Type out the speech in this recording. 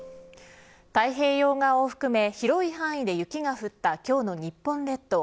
太平洋側を含め広い範囲で雪が降った今日の日本列島。